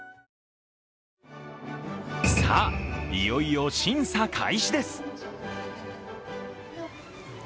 さぁ、いよいよ審査開始です。